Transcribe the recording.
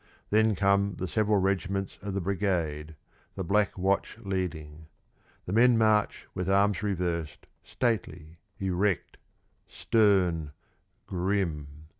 Then come the several regiments of the Brigade, the Black Watch leading. The men march with arms reversed, stately, erect, stern, grim.